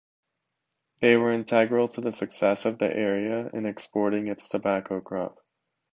They were integral to the success of the area in exporting its tobacco crop.